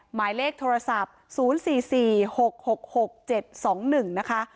หมายเลขโทรศัพท์ศูนย์สี่สี่หกหกหกเจ็ดสองหนึ่งนะคะ